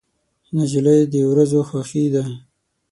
نجلۍ د ورځو خوښي ده.